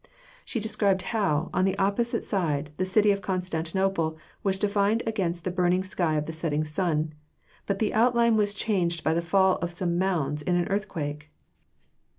She described how, on the opposite side, the city of Constantinople was defined against the burning sky of the setting sun, but the outline was changed by the fall of some mounds in an earthquake.